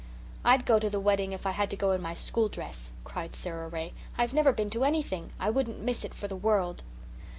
"I'd go to the wedding if I had to go in my school dress," cried Sara Ray. "I've never been to anything. I wouldn't miss it for the world."